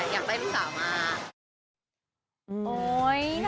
อยากได้ลูกสาวมาก